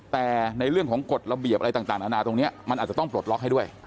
แต่ในเรื่องของกฎระเบียบอะไรต่างนานาตรงนี้มันอาจจะต้องปลดล็อกให้ด้วย